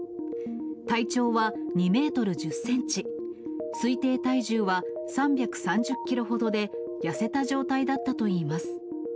体長は２メートル１０センチ、推定体重は３３０キロほどで、痩せた状態だったといいます。